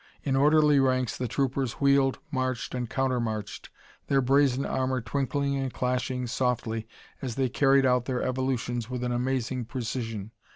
In orderly ranks the troopers wheeled, marched and counter marched, their brazen armor twinkling and clashing softly as they carried out their evolutions with an amazing precision.